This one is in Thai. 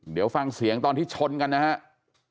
เดี๋ยวฟังเสียงตอนที่ชนกันนะครับ